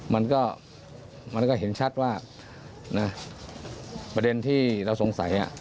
มันก็เห็นชัดว่าประเด็นที่เราสงสัย